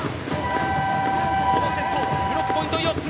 このセットブロックポイント４つ目